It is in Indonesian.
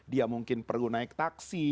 dia mungkin perlu naik taksi